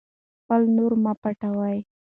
خپل نور مه پټوئ.